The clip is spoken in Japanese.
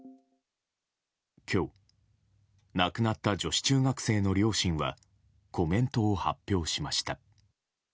今日亡くなった女子中学生の両親はコメントを発表しました。